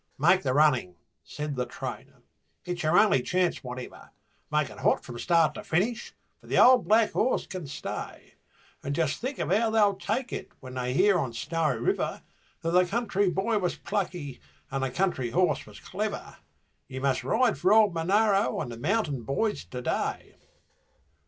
'Make the running,' said the trainer, 'it's your only chance whatever, Make it hot from start to finish, for the old black horse can stay, And just think of how they'll take it, when they hear on Snowy River That the country boy was plucky, and the country horse was clever. You must ride for old Monaro and the mountain boys to day.'